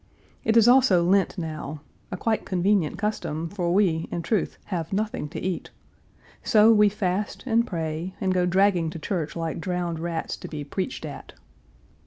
It is also Lent now a quite convenient custom, for we, in truth, have nothing to eat. So we fast and pray, and go dragging to church like drowned rats to be preached at.